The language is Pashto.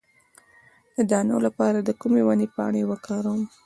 د دانو لپاره د کومې ونې پاڼې وکاروم؟